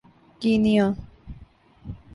Kenya